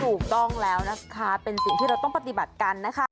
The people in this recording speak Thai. ถูกต้องแล้วนะคะเป็นสิ่งที่เราต้องปฏิบัติกันนะคะ